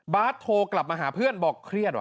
โทรกลับมาหาเพื่อนบอกเครียดว่